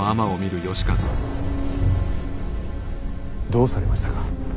どうされましたか。